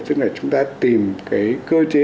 tức là chúng ta tìm cái cơ chế